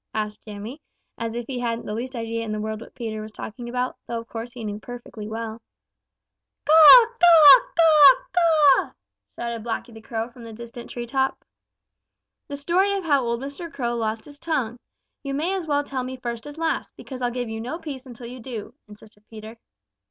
asked Jimmy, as if he hadn't the least idea in the world what Peter was talking about, though of course he knew perfectly well. "Caw, caw, caw, caw!" shouted Blacky the Crow from the distant tree top. "The story of how old Mr. Crow lost his tongue. You may as well tell me first as last, because I'll give you no peace until you do," insisted Peter.